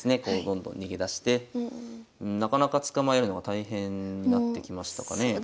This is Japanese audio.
こうどんどん逃げ出してなかなか捕まえるのが大変になってきましたかね。